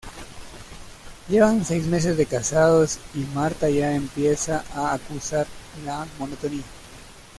Llevan seis meses casados y Marta ya empieza a acusar la monotonía.